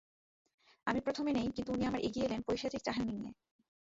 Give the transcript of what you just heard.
আমি প্রথমে নেই, কিন্তু উনি আমার এগিয়ে এলেন পৈশাচিক চাহনি নিয়ে।